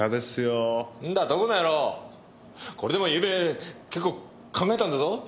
これでもゆうべ結構考えたんだぞ。